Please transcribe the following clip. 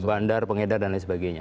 bandar pengedar dan lain sebagainya